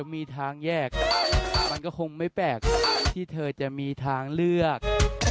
มันก็คงไม่แปลกที่เธอจะมีทางเลือก